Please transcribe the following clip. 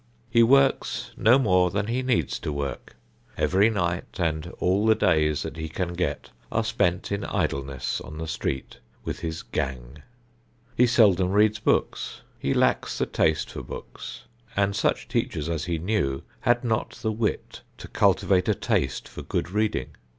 He works no more than he needs to work. Every night and all the days that he can get are spent in idleness on the street with his "gang." He seldom reads books. He lacks the taste for books, and such teachers as he knew had not the wit to cultivate a taste for good reading.